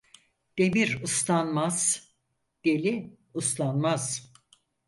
Demir ıslanmaz, deli uslanmaz.